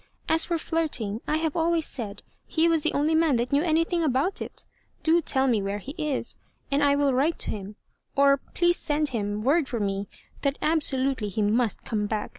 As for flirting, I have always said he was the only man that knew anything about it Do tell me .where he is, and I will write to him ; or, please, send him word for me, that absolutely he must come back.